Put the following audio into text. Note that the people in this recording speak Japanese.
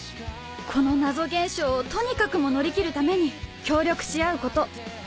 この謎現象をとにかくも乗り切るために協力し合うこと。